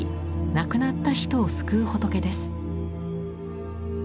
亡くなった人を救う仏です。